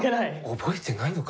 覚えてないのか？